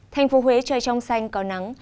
thành phố huế trời trong xanh có nắng